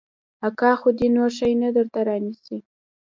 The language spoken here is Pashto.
اکا خو دې نور شى درته نه رانيسي.